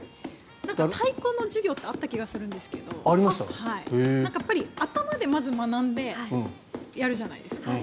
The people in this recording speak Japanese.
太鼓の授業ってあった気がするんですけどやっぱり頭でまずは学んでやるじゃないですか。